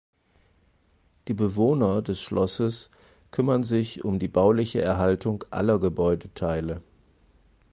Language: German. Die Bewohner des Schlosses kümmern sich um die bauliche Erhaltung aller Gebäudeteile.